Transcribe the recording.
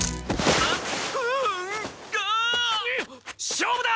勝負だ！